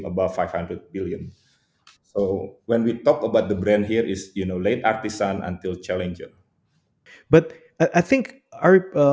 jadi ketika kita melihat data dari pemerintah lebih dari enam puluh juta smes di indonesia